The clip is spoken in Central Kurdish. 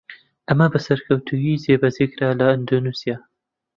ئەمە بە سەرکەوتوویی جێبەجێکرا لە ئەندەنوسیا.